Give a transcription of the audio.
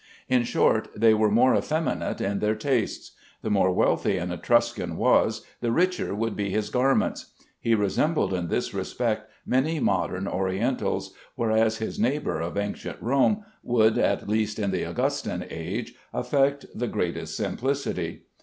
In short, they were more effeminate in their tastes. The more wealthy an Etruscan was, the richer would be his garments. He resembled in this respect many modern Orientals, whereas his neighbor of ancient Rome would (at least in the Augustan age) affect the greatest simplicity.